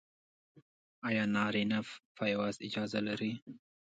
ایا نارینه پایواز اجازه لري؟